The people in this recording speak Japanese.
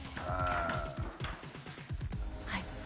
はい。